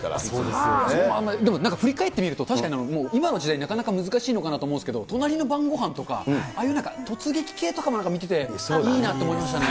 でもあんまり、振り返ってみると、確かにもう今の時代、なかなか難しいのかなと思うんですけど、隣の晩ごはんとか、ああいうなんか突撃系とかも見てていいなと思いましたね。